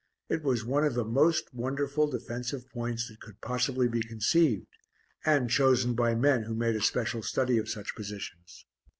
It was one of the most wonderful defensive points that could possibly be conceived, and chosen by men who made a special study of such positions.